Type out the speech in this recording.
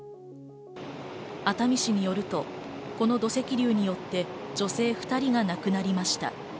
熱海市によると、この土石流によって女性２人が亡くなりました。